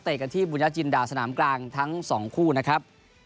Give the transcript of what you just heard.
กันที่บุญญาจินดาสนามกลางทั้งสองคู่นะครับ